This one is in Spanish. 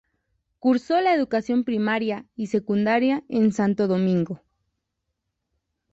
Cursó la educación primaria y secundaria en Santo Domingo.